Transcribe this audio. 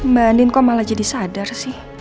mbak nin kok malah jadi sadar sih